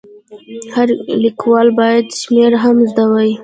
هر لیکوال باید شمېرل هم زده وای.